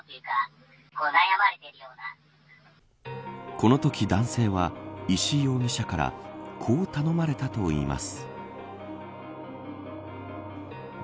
このとき男性は石井容疑者からこう頼まれたといいます。